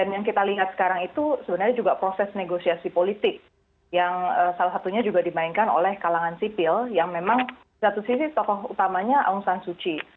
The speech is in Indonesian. ya ini juga dimainkan oleh kalangan sipil yang memang satu sisi tokoh utamanya aung san suu kyi